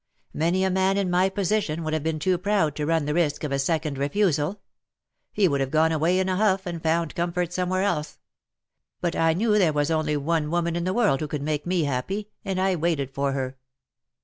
Many a man in my position would have been too proud to run the risk of a second refusal. He would have gone away in a huff and found comfort somewhere else. But I knew that there was only one woman in the world who could make me happy, and I waited for her.